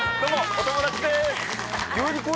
お友達です！